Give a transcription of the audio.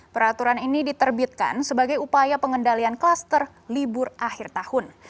peraturan ini diterbitkan sebagai upaya pengendalian klaster libur akhir tahun